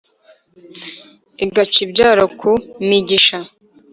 igaca ibyaro ku migisha .